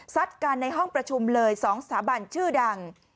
กันในห้องประชุมเลย๒สถาบันชื่อดัง